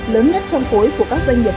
lớn nhất trong cối của các doanh nghiệp